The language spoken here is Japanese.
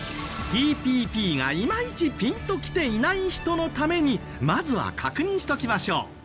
ＴＰＰがいまいちピンときていない人のためにまずは確認しときましょう。